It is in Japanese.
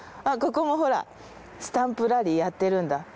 ここもほらスタンプラリーやってるんだ。